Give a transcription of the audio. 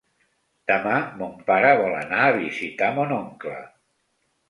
Demà mon pare vol anar a visitar mon oncle.